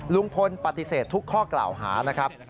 ลุงพลปฏิเสธทุกข้อกล่าวหานะครับ